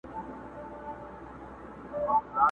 راټول سوی وه مېږیان تر چتر لاندي!